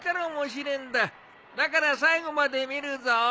だから最後まで見るぞ。